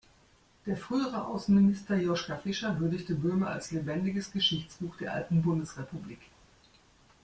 Der frühere Außenminister Joschka Fischer würdigte Böhme als „lebendiges Geschichtsbuch der alten Bundesrepublik“.